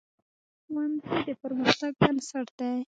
ښوونځی د پرمختګ بنسټ دی